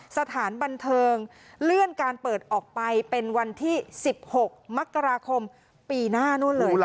สถานบันเทิงเลื่อนการเปิดออกไปเป็นวันที่๑๖มกราคมปีหน้านู่นเลยล่ะ